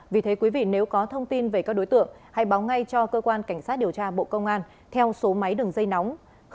vì thế quý vị nếu có thông tin về các đối tượng hãy báo ngay cho cơ quan cảnh sát điều tra bộ công an theo số máy đường dây nóng sáu mươi chín hai trăm ba mươi bốn